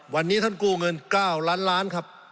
วันนี้ท่านกู้เงิน๙ล้านล้านครับ